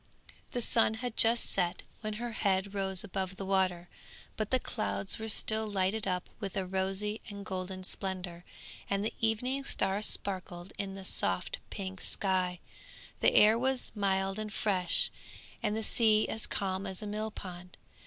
The sun had just set when her head rose above the water, but the clouds were still lighted up with a rosy and golden splendour, and the evening star sparkled in the soft pink sky, the air was mild and fresh, and the sea as calm as a millpond.